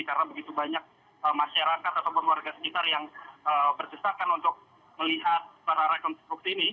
karena begitu banyak masyarakat ataupun warga sekitar yang berkesakan untuk melihat prarekonstruksi ini